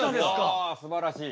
うわすばらしい。